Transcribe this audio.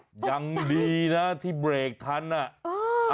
ตกใจยังดีนะที่เบรกทันน่ะ